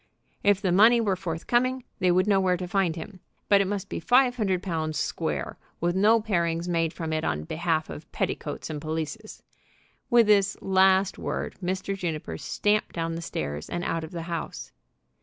If the money were forthcoming, they would know where to find him; but it must be five hundred pounds "square," with no parings made from it on behalf of petticoats and pelisses. With this last word Mr. Juniper stamped down the stairs and out of the house.